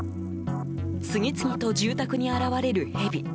次々と住宅に現れるヘビ。